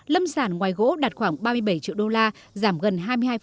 lâm sản ngoài gỗ đạt khoảng ba mươi bảy triệu usd giảm gần hai mươi hai